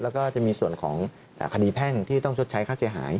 แล้วก็จะมีส่วนของคดีแพ่งที่ต้องชดใช้ค่าเสียหาย